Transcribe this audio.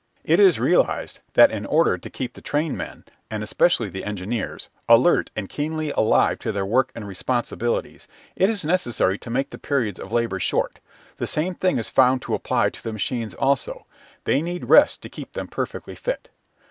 It is realised that in order to keep the trainmen and especially the engineers alert and keenly alive to their work and responsibilities, it is necessary to make the periods of labour short; the same thing is found to apply to the machines also they need rest to keep them perfectly fit.